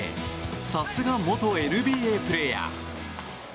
さすが元ＮＢＡプレーヤー。